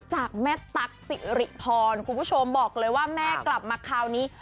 จากแม่ตั๊กสิริพรคุณผู้ชมบอกเลยว่าแม่กลับมาคราวนี้